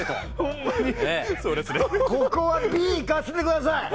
ここはＢにいかせてください！